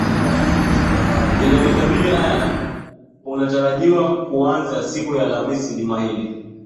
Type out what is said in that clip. inayoikabili ireland unajarajiwa kuanza siku ya alhamisi juma hili